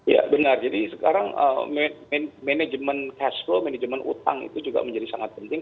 ya benar jadi sekarang manajemen cash flow manajemen utang itu juga menjadi sangat penting